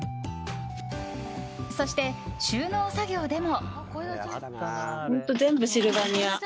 そして、収納作業でも。